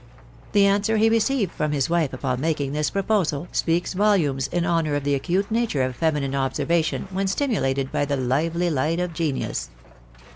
The answer he received from his wife upon making this proposal, speaks volumes in honour of the acute nature of feminine observa tion, when stimulated by the lively light of genius.